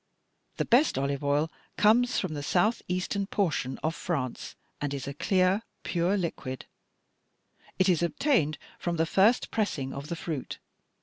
The best olive oil comes from the south eastern portion of France and is a clear, pure liquid; it is obtained from the first pressing of the fruit.